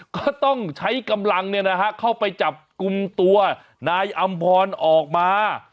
ก็ต้องใช้กำลังเข้าไปจับกลุ่มตัวนายอำพรออกมา